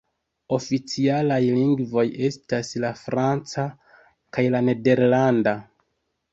Oficialaj lingvoj estas la franca kaj la nederlanda.